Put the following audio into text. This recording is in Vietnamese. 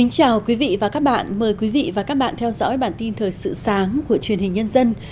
chào mừng quý vị đến với bản tin thời sự sáng của truyền hình nhân dân